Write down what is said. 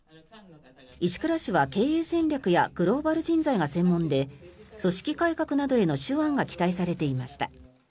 石倉氏は経営戦略やグローバル人材が専門で組織改革などへの手腕が期待されていました。